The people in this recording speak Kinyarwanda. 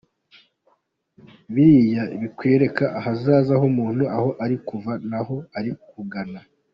Biriya bikwereka ahazaza h’umuntu, aho ari kuva naho ari kugana.